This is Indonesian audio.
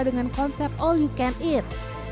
dengan konsep all you can eat